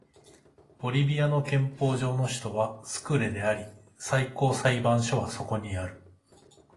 ボリビアの憲法上の首都はスクレであり最高裁判所はそこにある